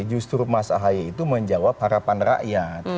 justru mas ahaye itu menjawab harapan rakyat